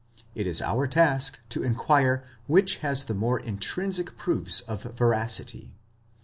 * It is our task to inquire which has the more intrinsic proofs of veracity.